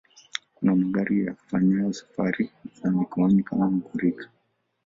Kuna magari yafanyayo safari za mikoani kama Ngorika